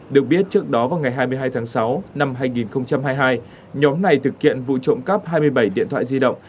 được biết trước đó vào ngày hai mươi hai tháng sáu năm hai nghìn hai mươi hai nhóm này thực hiện vụ trộm cắp hai mươi bảy điện thoại di động